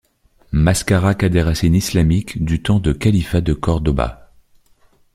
Mascaraque a des racines islamiques du temps de Califat de Córdoba.